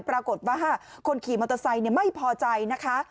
ปรากฏว่าคนขี่มอเตอร์ไซค์ไม่พอใจนะคะ